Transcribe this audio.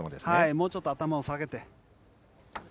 もうちょっと頭を下げて。